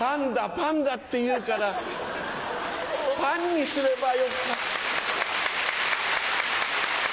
パンダ！」って言うからパンにすればよかった。